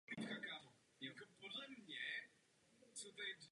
Jména jeho učitelů nejsou známa.